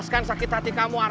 aku pindah ke bengkel